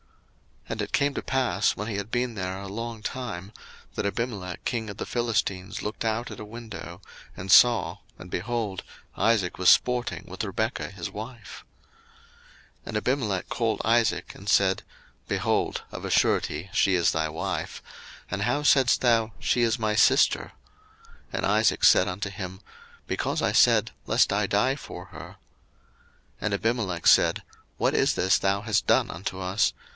01:026:008 And it came to pass, when he had been there a long time, that Abimelech king of the Philistines looked out at a window, and saw, and, behold, Isaac was sporting with Rebekah his wife. 01:026:009 And Abimelech called Isaac, and said, Behold, of a surety she is thy wife; and how saidst thou, She is my sister? And Isaac said unto him, Because I said, Lest I die for her. 01:026:010 And Abimelech said, What is this thou hast done unto us?